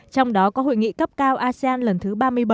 trong đó có hội nghị cấp cao asean lần thứ ba mươi bảy